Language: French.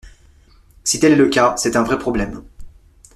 Si tel est le cas, c’est un vrai problème.